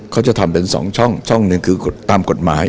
เขาจะทำเป็น๒ช่องช่องหนึ่งคือตามกฎหมาย